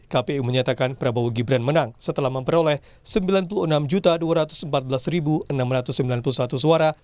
kpu menyatakan prabowo gibran menang setelah memperoleh sembilan puluh enam dua ratus empat belas enam ratus sembilan puluh satu suara